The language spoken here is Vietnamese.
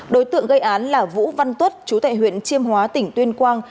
đối tượng gây án là vũ văn tuất chú tại huyện chiêm hóa tỉnh tuyên quang